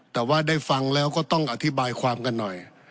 แต่ว่าได้ฟังแล้วก็ต้องอธิบายความกันหน่อย